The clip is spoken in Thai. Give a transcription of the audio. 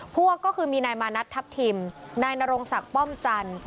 พวกก็คือมีนายมานัดทัพทิมนายนรงศักดิ์ป้อมจันทร์